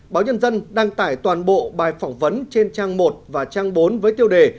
báo nhân dân đăng tải toàn bộ bài phỏng vấn trên trang một và trang bốn với tiêu đề